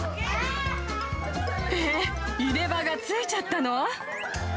え、入れ歯がついちゃったの？